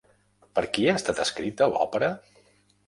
Per qui ha estat escrita l'òpera?